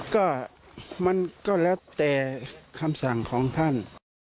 ก็มันก็แล้วแต่คำสั่งของท่าน